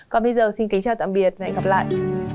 còn bây giờ xin kính chào tạm biệt và hẹn gặp lại